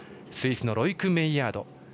スイスのロイク・メイヤード。